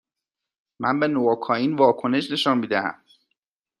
من به نواکائین واکنش نشان می دهم.